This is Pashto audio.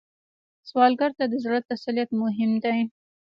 سوالګر ته د زړه تسلیت مهم دی